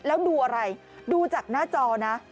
แล้วดูอะไรดูจากหน้าจอนะ